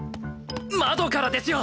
窓からですよ。